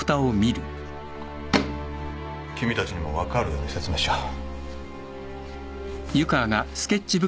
君たちにも分かるように説明しよう。